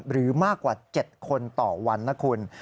หรือมากกว่า๗คนต่อวันนะคุณ